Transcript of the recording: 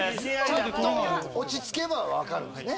ちゃんと落ち着けばわかるんですね